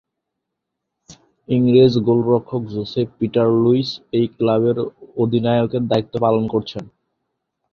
ইংরেজ গোলরক্ষক Joseph Peter Lewis এই ক্লাবের অধিনায়কের দায়িত্ব পালন করছেন।